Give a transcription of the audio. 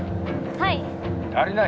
はい。